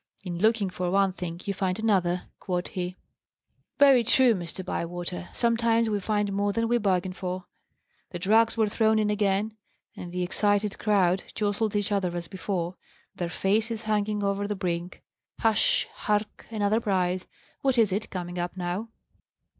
"In looking for one thing you find another," quoth he. Very true, Mr. Bywater! Sometimes we find more than we bargain for. The drags were thrown in again, and the excited crowd jostled each other as before, their faces hanging over the brink. Hush! Hark! Another prize! What is it, coming up now?